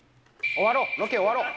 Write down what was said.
終わろう、ロケ終わろう。